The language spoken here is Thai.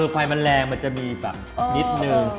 ไฟมันแรงมันจะมีแบบนิดนึง